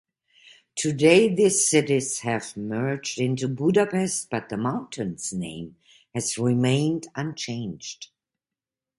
Today, these cities have merged into Budapest, but the mountain's name has remained unchanged.